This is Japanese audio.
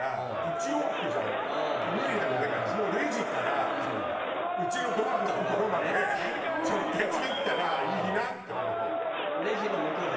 だからレジからうちのドアの所まで直結できたらいいなって思う。